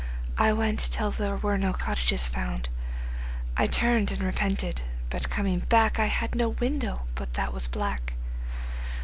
I went till there were no cottages found. I turned and repented, but coming back I saw no window but that was black.